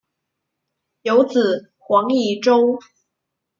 有子黄以周。